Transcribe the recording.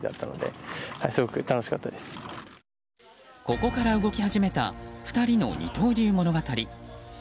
ここから動き始めた２人の二刀流物語。